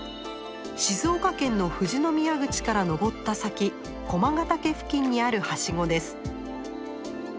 静岡県の富士宮口から登った先駒ヶ岳付近にある梯子です。